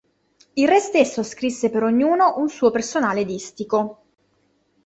Il re stesso scrisse per ognuno un suo personale distico.